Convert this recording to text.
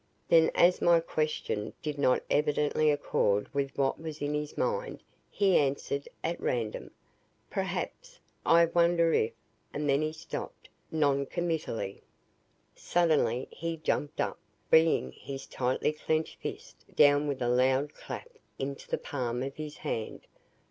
Then, as my question did not evidently accord with what was in his mind, he answered at random, "Perhaps I wonder if " and then he stopped, noncommittally. Suddenly he jumped up, bringing his tightly clenched fist down with a loud clap into the palm of his hand.